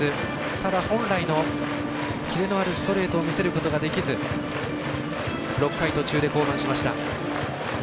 ただ、本来のキレのあるストレートを見せることができず６回途中で降板しました。